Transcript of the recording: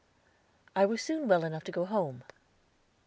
I was soon well enough to go home.